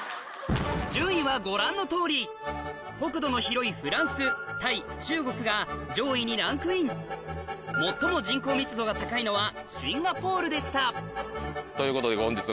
順位はご覧のとおり国土の広いフランスタイ中国が上位にランクイン最も人口密度が高いのはということで。